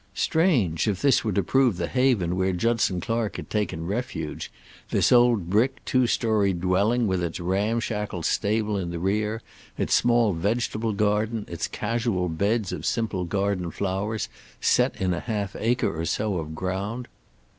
Strange, if this were to prove the haven where Judson Clark had taken refuge, this old brick two story dwelling, with its ramshackle stable in the rear, its small vegetable garden, its casual beds of simple garden flowers set in a half acre or so of ground.